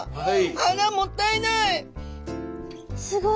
あらもったいない！